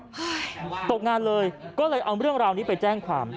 ฮะตกงานเลยก็เลยเอาเรื่องราวนี้ไปแจ้งความ